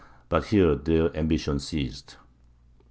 But here their ambition ceased.